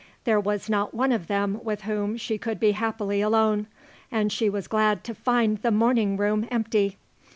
There was not one of them with whom she could be happily alone, and she was glad to find the morning room empty.